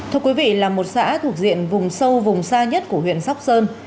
thưa quý vị là một xã thuộc diện vùng sâu vùng xa nhất của huyện sóc sơn